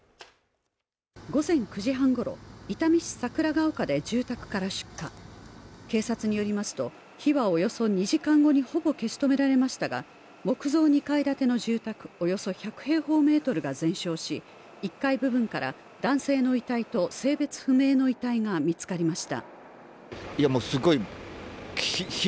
午前９時半ごろ、伊丹市桜ケ丘で住宅から出火、警察によりますと火はおよそ２時間後にほぼ消し止められましたが木造２階建ての住宅およそ１００平方メートルが全焼し、１階部分から男性の遺体と性別不明の遺体が見つかりました。